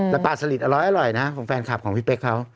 แล้วปลาสลิดอร้อยนะของแฟนคลับของพี่เป๊กเขา